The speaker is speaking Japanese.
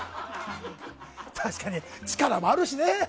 確かに、力もあるしね。